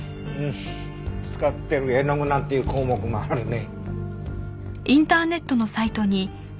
「使っている絵具」なんていう項目もあるね。